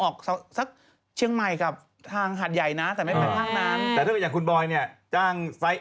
ออกสักเชียงใหม่กับทางหาดใหญ่นะแต่ไม่ไปออกภาคนั้น